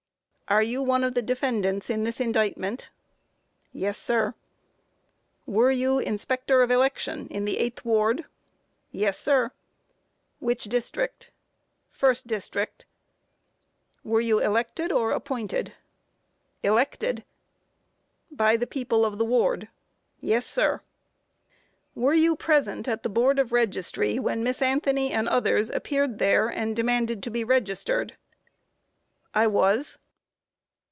Q. Are you one of the defendants in this indictment? A. Yes, sir. Q. Were you inspector of election in the 8th ward? A. Yes, sir. Q. Which district? A. First district. Q. Were you elected or appointed? A. Elected. Q. By the people of the ward? A. Yes, sir. Q. Were you present at the Board of Registry when Miss Anthony and others appeared there and demanded to be registered? A. I was.